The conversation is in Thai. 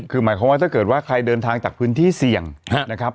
คือหมายความว่าถ้าเกิดว่าใครเดินทางจากพื้นที่เสี่ยงนะครับ